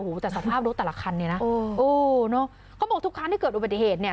โอ้โหแต่สภาพรถแต่ละคันเนี่ยนะโอ้เนอะเขาบอกทุกครั้งที่เกิดอุบัติเหตุเนี่ย